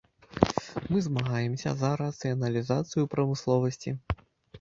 Мы змагаемся за рацыяналізацыю ў прамысловасці.